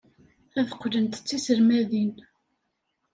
Ad qqlent d tiselmadin.